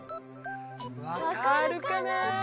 わかるかな？